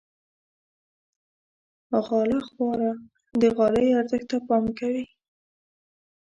غاله خواره د غالۍ ارزښت ته پام کوي.